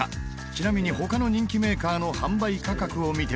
ちなみに他の人気メーカーの販売価格を見てみると。